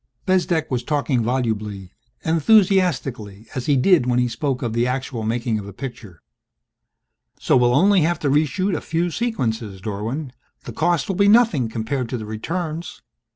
Bezdek was talking volubly, enthusiastically as he did when he spoke of the actual making of a picture. "... so we'll only have to reshoot a few sequences, Dorwin. The cost will be nothing compared to the returns.